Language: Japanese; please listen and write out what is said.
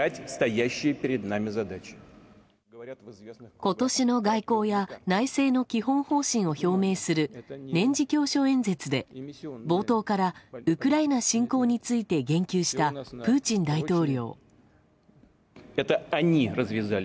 今年の外交や内政の基本方針を表明する年次教書演説で、冒頭からウクライナ侵攻について言及したプーチン大統領。